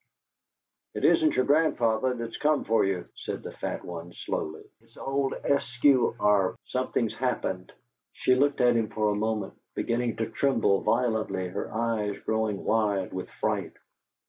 "It isn't your grandfather that has come for you," said the fat one, slowly. "It is old Eskew Arp. Something's happened." She looked at him for a moment, beginning to tremble violently, her eyes growing wide with fright.